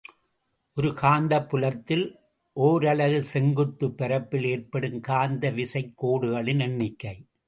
ஒரு காந்தப் புலத்தில் ஒரலகு செங்குத்துப் பரப்பில் ஏற்படும் காந்த விசைக் கோடுகளின் எண்ணிக்கை.